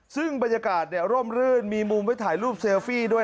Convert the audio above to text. ซึ่งบรรยากาศร่มรื่นมีมุมไว้ถ่ายรูปเซลฟี่ด้วย